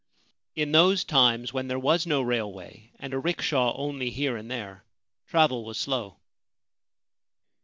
In those times, when there was no railway and a rickshaw only here and there, travel was slow.